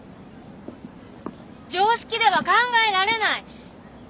常識では考えられない！